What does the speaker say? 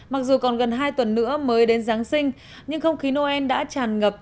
mặc dù còn gần hai tuần nữa mới đến giáng sinh nhưng không khí noel đã tràn ngập